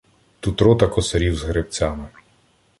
Тут рота косарів з гребцями